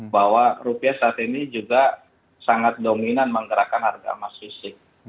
bahwa rupiah saat ini juga sangat dominan menggerakkan harga emas fisik